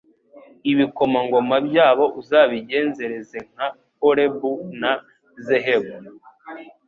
Ibikomangoma byabo uzabigenzereze nka Orebu na Zehebu